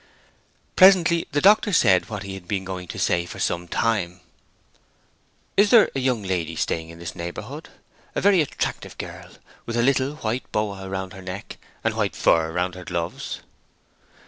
Presently the doctor said what he had been going to say for some time: "Is there a young lady staying in this neighborhood—a very attractive girl—with a little white boa round her neck, and white fur round her gloves?"